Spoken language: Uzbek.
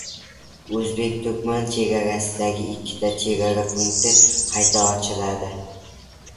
O‘zbek-turkman chegarasidagi ikkita chegara punkti qayta ochiladi